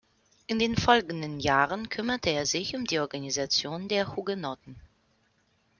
In den folgenden Jahren kümmerte er sich um die Organisation der Hugenotten.